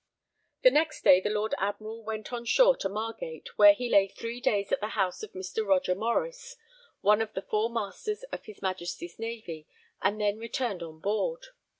The next day the Lord Admiral went on shore to Margate, where he lay 3 days at the house of Mr. Roger Morice, one of the 4 Masters of His Majesty's Navy, and then returned on board.